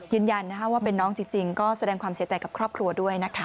ยืนยันว่าเป็นน้องจริงก็แสดงความเสียใจกับครอบครัวด้วยนะคะ